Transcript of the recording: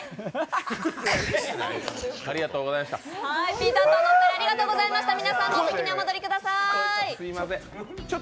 ピンタンパンのお二人ありがとうございました。